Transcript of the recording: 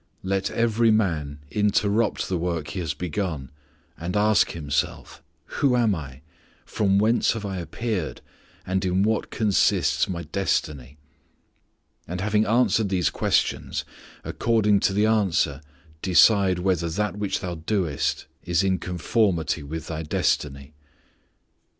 _ "Let every man interrupt the work he has begun and ask himself: Who am I? From whence have I appeared, and in what consists my destiny? And having answered these questions, according to the answer decide whether that which thou doest is in conformity with thy destiny."